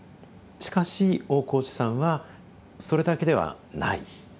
しかし大河内さんはそれだけではない。